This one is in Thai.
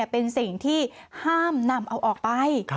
เป็นสิ่งที่ห้ามนำเอาออกไป